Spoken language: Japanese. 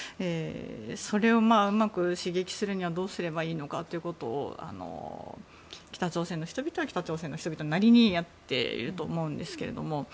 それをうまく刺激するにはどうすればいいのかということを北朝鮮の人々は北朝鮮の人々なりにやっていると思うんですけども。